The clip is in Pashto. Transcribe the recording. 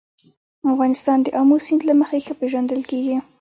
افغانستان د آمو سیند له مخې ښه پېژندل کېږي.